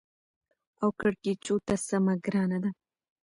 او کېړکیچو ته سمه ګرانه ده.